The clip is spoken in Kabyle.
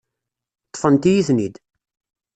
Ṭṭfent-iyi-ten-id.